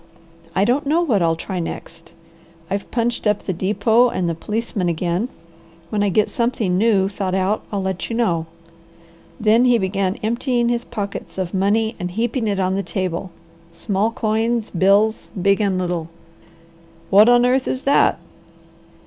I don't know what I'll try next. I've punched up the depot and the policemen again. When I get something new thought out I'll let you know." Then he began emptying his pockets of money and heaping it on the table, small coins, bills, big and little. "What on earth is that?"